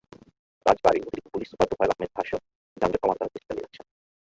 রাজবাড়ীর অতিরিক্ত police super Tofail আহমেদের ভাষ্য, যানজট কমাতে তাঁরা চেষ্টা চালিয়ে যাচ্ছেন।